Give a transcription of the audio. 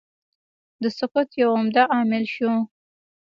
د سقوط یو عمده عامل شو.